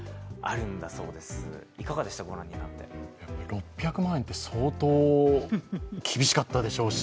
６００万円って相当厳しかったでしょうし